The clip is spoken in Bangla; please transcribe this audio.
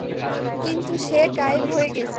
কিন্তু সে গায়েব হয়ে গেছে।